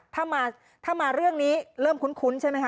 ถ้ามาเรื่องนี้เริ่มคุ้นใช่ไหมค